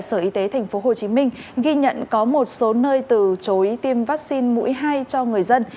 sở y tế tp hcm ghi nhận có một số nơi từ chối tiêm vaccine mũi hai cho người dân